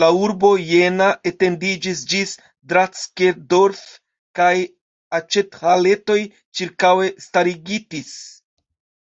La urbo Jena etendiĝis ĝis Drackedorf kaj aĉethaletoj ĉirkaŭe starigitis.